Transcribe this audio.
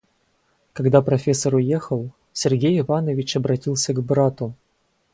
Когда профессор уехал, Сергей Иванович обратился к брату.